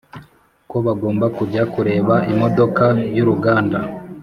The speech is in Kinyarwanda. ko bagomba kujya kureba imodoka yuruganda